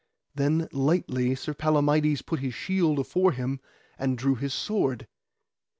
Then lightly Sir Palamides put his shield afore him and drew his sword.